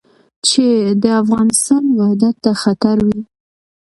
چې د افغانستان وحدت ته خطر وي.